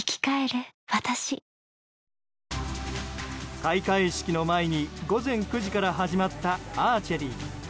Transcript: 開会式の前に午前９時から始まったアーチェリー。